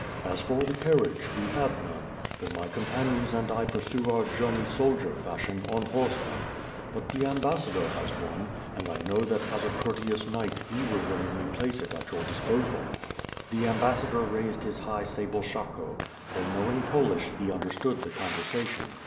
As for the carriage, we have none, for my companions and I pursue our journey soldier fashion, on horseback; but the ambassador has one, and I know that as a courteous knight, he will willingly place it at your disposal.'^ The ambassador raised his high sable shako, for knowing Polish, he understood the conversation.